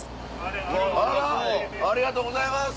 ありがとうございます。